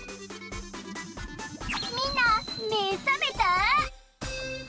みんなめさめた？